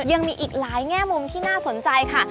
ยังมีอีกหลายแง่มุมที่น่าสนใจค่ะ